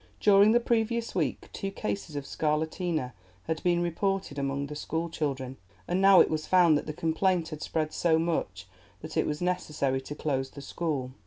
During the previous week two cases of scarlatina had been reported among the school children, and now it was found that the complaint had spread so much that it was necessary to close the school.